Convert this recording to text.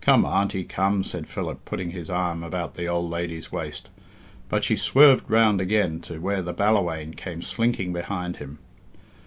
"Come, Auntie, come," said Philip, putting his arm about the old lady's waist. But she swerved round again to where the Ballawhaine came slinking behind him.